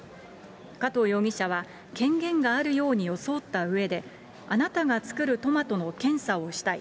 加藤容疑者は、権限があるように装ったうえで、あなたが作るトマトの検査をしたい。